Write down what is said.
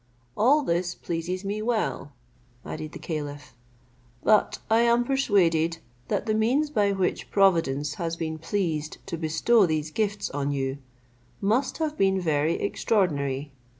"All this pleases me well," added the caliph, "but I am persuaded that the means by which Providence has been pleased to bestow these gifts on you must have been very extraordinary.